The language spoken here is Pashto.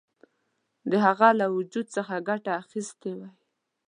د هغه له وجود څخه ګټه اخیستې وای.